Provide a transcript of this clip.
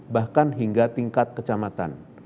bahkan hingga tingkat kecamatan